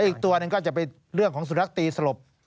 อีกตัวหนึ่งก็จะเป็นเรื่องของสุนัขตีสลบ